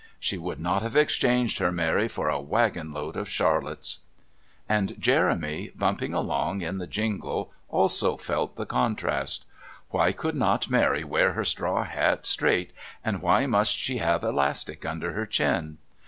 She would not have exchanged her Mary for a wagon load of Charlottes. And Jeremy, bumping along in the jingle, also felt the contrast. Why could not Mary wear her straw hat straight, and why must she have elastic under her chin?